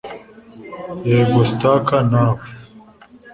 Yego Stark Nawe